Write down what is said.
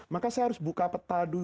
maka saya harus buka peta dulu